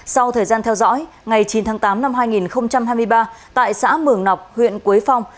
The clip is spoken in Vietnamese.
sau thời gian theo dõi ngày chín tháng tám năm hai nghìn hai mươi ba tại xã mường nọc huyện quế phong